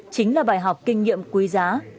chính là bài học kinh nghiệm quý giá